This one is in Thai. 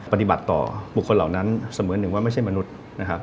ปฏิบัติต่อบุคคลเหล่านั้นเสมอหนึ่งว่าไม่ใช่มนุษย์นะครับ